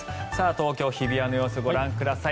東京・日比谷の様子ご覧ください。